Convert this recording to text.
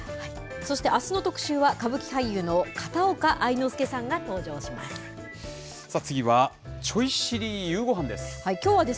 そしてあすの特集は、歌舞伎俳優の片岡愛之助さんが登場します。